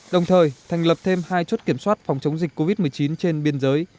đồng thời thành lập thêm hai chốt kiểm soát phòng chống dịch covid một mươi chín trên biên giới